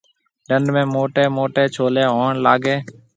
ڊنڍ ۾ موٽيَ موٽَي ڇولَي ھوئڻ لاگَي۔